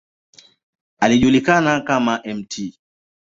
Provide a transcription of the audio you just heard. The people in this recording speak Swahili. Alijulikana kama ""Mt.